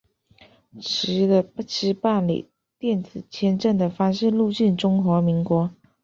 持的需办理电子签证的方式入境中华民国。